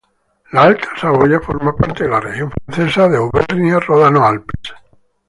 La Alta Saboya forma parte de la región francesa de Auvernia-Ródano-Alpes.